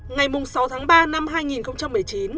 ngày sáu tháng ba năm hai nghìn một mươi chín